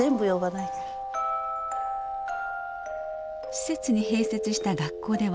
施設に併設した学校では感性を磨く